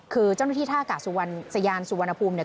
คือเจ้าหน้าที่ท่ากาศยานสุวรรณภูมิเนี่ย